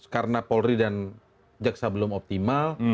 karena polri dan jaksa belum optimal